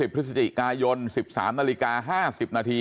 พฤศจิกายน๑๓นาฬิกา๕๐นาที